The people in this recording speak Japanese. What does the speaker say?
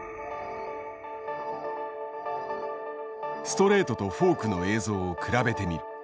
ストレートとフォークの映像を比べてみる。